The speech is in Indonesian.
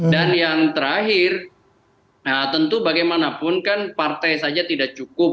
dan yang terakhir tentu bagaimanapun kan partai saja tidak cukup